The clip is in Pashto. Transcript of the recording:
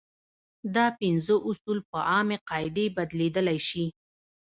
دا پنځه اصول په عامې قاعدې بدلېدلی شي.